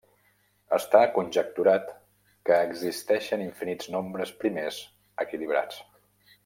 Està conjecturat que existeixen infinits nombres primers equilibrats.